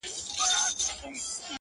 هغه د بل د كور ډېوه جوړه ده.